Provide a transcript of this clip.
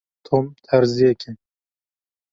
Tom terziyek e.